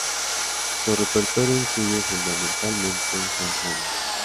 Su repertorio incluye fundamentalmente Zarzuela.